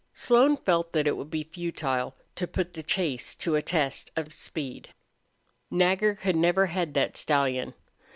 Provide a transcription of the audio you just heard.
Slone felt that it would be futile to put the chase to a test of speed. Nagger could never head that stallion.